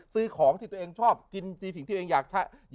ซื้อของที่ตัวเองชอบกินในสิ่งที่ตัวเองอยากใช้